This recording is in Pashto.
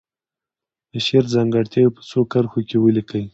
د شعر ځانګړتیاوې په څو کرښو کې ولیکي.